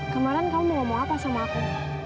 kemarin kamu mau ngomong apa sama aku